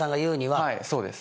はいそうです。